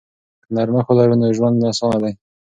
که نرمښت ولرو نو ژوند اسانه دی.